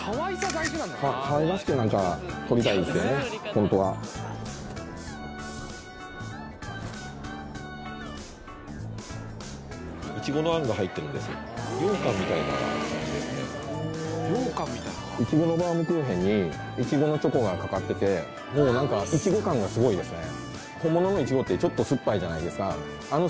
本当はイチゴのバウムクーヘンにイチゴのチョコがかかっててもう何かイチゴ感がすごいですね